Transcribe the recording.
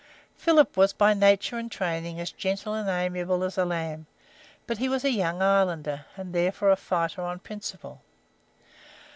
Philip was by nature and training as gentle and amiable as a lamb, but he was a Young Irelander, and therefore a fighter on principle.